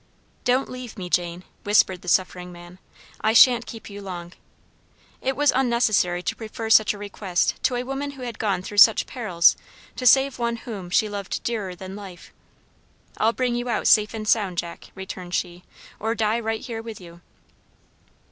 "Don't leave me, Jane," whispered the suffering man, "I shan't keep you long." It was unnecessary to prefer such a request to a woman who had gone through such perils to save one whom, she loved dearer than life. "I'll bring you out safe and sound, Jack," returned she, "or die right here with you."